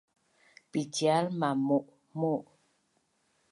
picial mamuhmuh